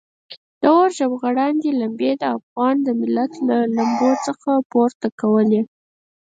د اور ژبغړاندې لمبې د افغان ملت له لمنو څخه پورته کولې.